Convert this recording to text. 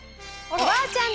おばあちゃん。